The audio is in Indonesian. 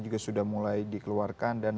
juga sudah mulai dikeluarkan dan